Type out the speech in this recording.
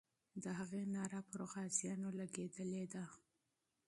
د هغې ناره پر غازیانو لګېدلې ده.